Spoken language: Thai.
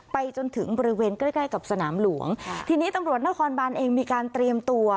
ไปจนถึงบริเวณใกล้ใกล้กับสนามหลวงทีนี้ตำรวจนครบานเองมีการเตรียมตัว